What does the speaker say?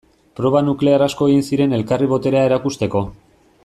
Proba nuklear asko egin ziren elkarri boterea erakusteko.